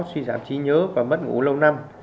suy giảm trí nhớ và mất ngủ lâu năm